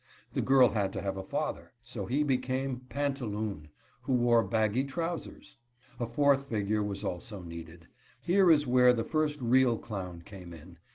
The girl had to have a father, so he became Pantaloon, who wore baggy trousers. A fourth figure was also needed. Here is where the first real clown came in.